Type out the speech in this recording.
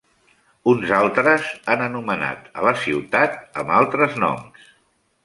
Uns altres han anomenat a la ciutat amb altres noms.